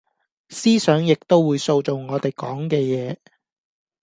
思想亦都會塑造我地講嘅野